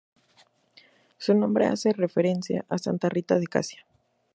Su nombre hace referencia a Santa Rita de Casia.